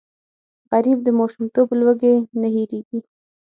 غریب د ماشومتوب لوږې نه هېرېږي